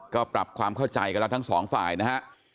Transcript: กับความเข้าใจกันด้านทั้ง๒ฝ่ายนะฮะ